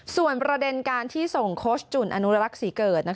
ส่วนประเด็นการที่ส่งโค้ชจุ่นอนุรักษ์ศรีเกิด